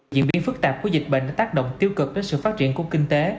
diễn biến phức tạp của dịch bệnh đã tác động tiêu cực đến sự phát triển của kinh tế